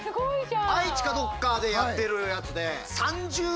愛知かどっかでやってるやつで。